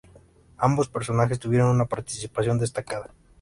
Ambos personajes tuvieron una participación destacada.